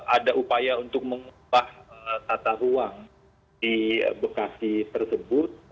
ada upaya untuk mengubah tata ruang di bekasi tersebut